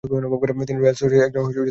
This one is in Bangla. তিনি রয়্যাল সোসাইটির একজন ফেলো ছিলেন।